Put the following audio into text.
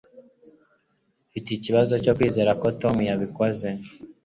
Mfite ikibazo cyo kwizera ko Tom yabikoze.